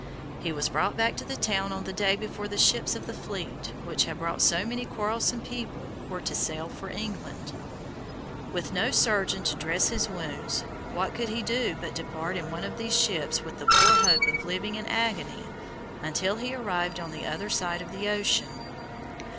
He was brought back to the town on the day before the ships of the fleet, which had brought so many quarrelsome people, were to sail for England. With no surgeon to dress his wounds, what could he do but depart in one of these ships with the poor hope of living in agony until he arrived on the other side of the ocean.